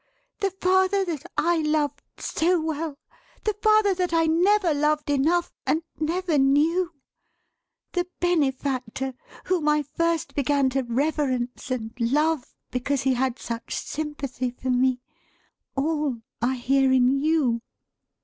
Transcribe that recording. The father that I loved so well; the father that I never loved enough, and never knew; the Benefactor whom I first began to reverence and love, because he had such sympathy for me; All are here in you.